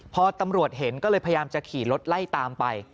พอตำรวจเห็นก็เลยพยายามจะขี่รถไล่ตามไป